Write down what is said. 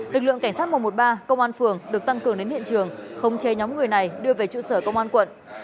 lực lượng cảnh sát một trăm một mươi ba công an phường được tăng cường đến hiện trường không chê nhóm người này đưa về trụ sở công an quận